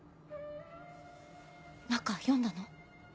中読んだの？